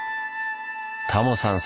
タモさん